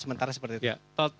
sementara seperti itu